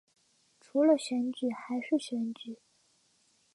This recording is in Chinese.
除了选举还是选举